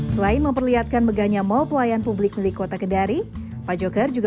selain memperlihatkan beganya mall pelayan publik milik kota kedari pak jokar juga